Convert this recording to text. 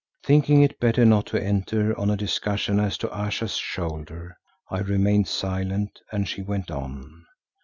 Thinking it better not to enter on a discussion as to Ayesha's shoulder, I remained silent and she went on.